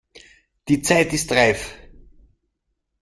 Die Zeit ist reif!